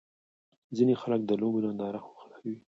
ځینې خلک د لوبو نندارې خوښوي.